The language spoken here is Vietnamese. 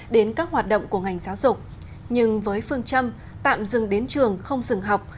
đến các hoạt động của ngành giáo dục nhưng với phương châm tạm dừng đến trường không dừng học